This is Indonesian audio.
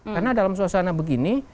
karena dalam suasana begini